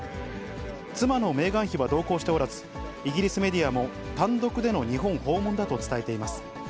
妻のメーガン妃は同行しておらず、イギリスメディアも単独での日本訪問だと伝えています。